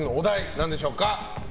何でしょうか。